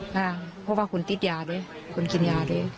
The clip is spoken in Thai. ค่ะเพราะว่าคุณติดยาด้วยคุณกินยาด้วย